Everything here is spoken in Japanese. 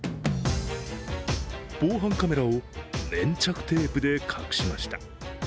防犯カメラを粘着テープで隠しました。